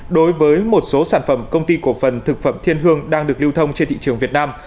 đối với một số sản phẩm công ty cổ phần thực phẩm thiên hương đang được lưu thông trên thị trường việt nam